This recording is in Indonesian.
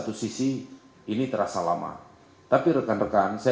kalau tujuan ini saya tidak akan menanggung jawab